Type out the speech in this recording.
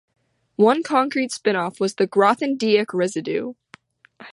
One concrete spin-off was the Grothendieck residue.